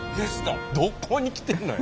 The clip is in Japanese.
どこに来てんのよ。